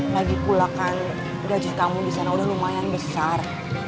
lagi pula kan gaji kamu disana udah lumayan besar